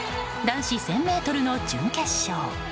男子１０００ｍの準決勝。